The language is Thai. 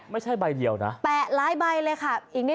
ไม่ค่อยใบเดียวนะ